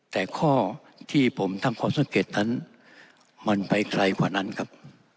แต่ข้อที่ผมทำความสังเกตนั้นมันไปไกลกว่านั้นครับ